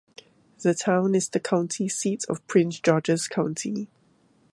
The town is the county seat of Prince George's County.